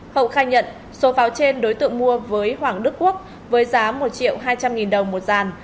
hậu khai nhận số pháo trên đối tượng mua với hoàng đức quốc với giá một triệu hai trăm linh nghìn đồng một dàn